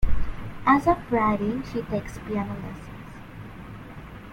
As of writing, she takes piano lessons.